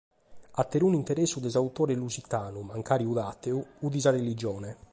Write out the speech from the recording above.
Aterunu interessu de s’autore lusitanu, mancari fiat àteu, fiat sa religione.